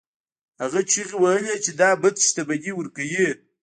هغه چیغې وهلې چې دا بت شتمني ورکوي.